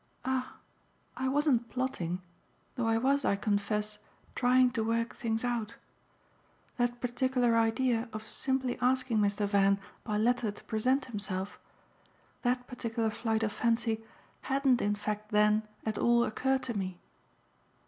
"Ah I wasn't plotting though I was, I confess, trying to work things out. That particular idea of simply asking Mr. Van by letter to present himself that particular flight of fancy hadn't in fact then at all occurred to me."